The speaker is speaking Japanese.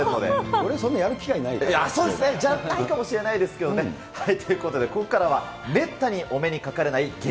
俺、そうですね、じゃないかもしれないですけどね、ということで、ここからはめったにお目にかかれない激